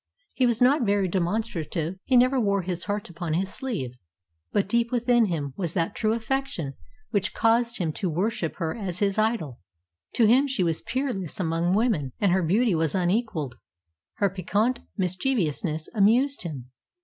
He was not very demonstrative. He never wore his heart upon his sleeve, but deep within him was that true affection which caused him to worship her as his idol. To him she was peerless among women, and her beauty was unequalled. Her piquant mischievousness amused him.